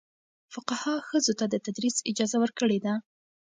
فقهاء ښځو ته د تدریس اجازه ورکړې ده.